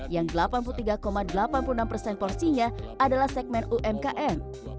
yang delapan puluh tiga delapan puluh enam persen porsinya adalah segmen umkm